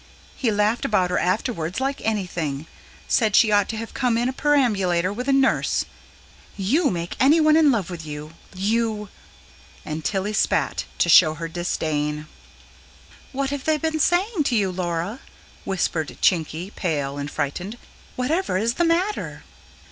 He laughed about her afterwards like anything; said she ought to have come in a perambulator, with a nurse. YOU make anyone in love with you you!" And Tilly spat, to show her disdain. "What have they been saying to you, Laura?" whispered Chinky, pale and frightened. "Whatever is the matter?"